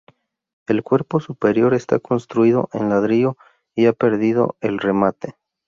El cuerpo superior está construido en ladrillo y ha perdido el remate.